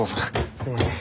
すいません。